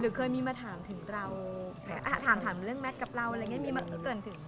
เคยมีมาถามถึงเราถามเรื่องแมทกับเราอะไรอย่างนี้มีเกินถึง